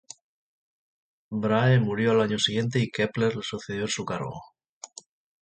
Brahe murió al año siguiente y Kepler le sucedió en su cargo.